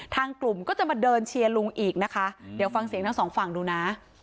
ทางกลุ่มก็จะมาเดินเชียร์ลุงอีกนะคะเดี๋ยวฟังเสียงทั้งสองฝั่งดูนะ